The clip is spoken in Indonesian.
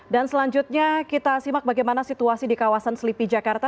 dan selanjutnya kita simak bagaimana situasi di kawasan selipi jakarta